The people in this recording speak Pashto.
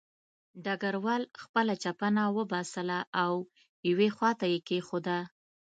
ډګروال خپله چپنه وباسله او یوې خوا ته یې کېښوده